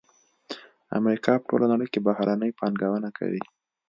امریکا په ټوله نړۍ کې بهرنۍ پانګونه کوي